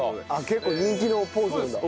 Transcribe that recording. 結構人気のポーズなんだ。